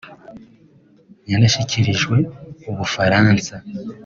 yanashyikirijwe u Bufaransa